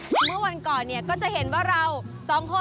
เมื่อวันก่อนเนี่ยก็จะเห็นว่าเราสองคน